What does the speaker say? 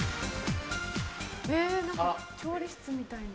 え何か調理室みたいな。